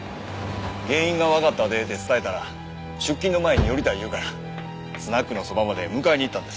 原因がわかったでって伝えたら出勤の前に寄りたい言うからスナックのそばまで迎えに行ったんです。